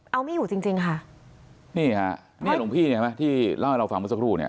เอาไม่อยู่จริงครับนี่สาเหรอที่เล่าให้เราฟังเมื่อสักครู่เนี่ย